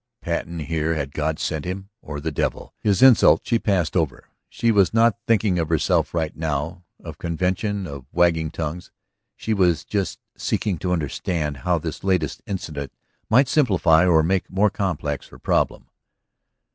Patten here! Had God sent him ... or the devil? His insult she passed over. She was not thinking of herself right now, of convention, of wagging tongues. She was just seeking to understand how this latest incident might simplify or make more complex her problem.